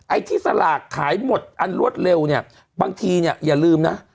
ไอ้ที่สลากขายหมดอันรวดเร็วเนี่ยบางทีเนี่ยอย่าลืมนะ